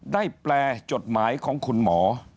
แปลจดหมายของคุณหมอ